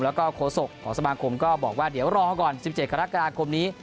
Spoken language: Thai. แล้วก็โฆษกของสมาคมก็บอกว่าเดี๋ยวรอก่อน๑๗กรกฎาคมนี้